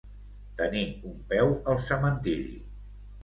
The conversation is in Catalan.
Tenir un peu al cementiri.